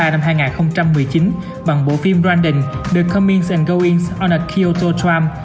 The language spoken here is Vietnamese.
năm hai nghìn một mươi chín bằng bộ phim randon the comings and goings on a kyoto tram